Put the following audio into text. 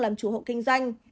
làm chủ hộ kinh doanh